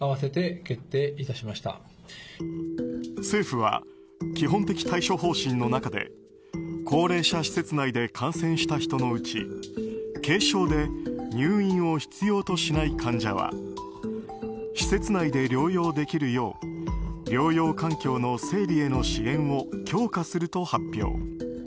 政府は基本的対処方針の中で高齢者施設内で感染した人のうち軽症で入院を必要としない患者は施設内で療養できるよう療養環境の整備への支援を強化すると発表。